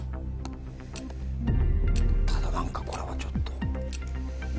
ただ何かこれはちょっと。